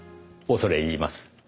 恐れ入ります。